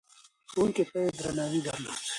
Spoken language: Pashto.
ښوونکو ته يې درناوی درلود.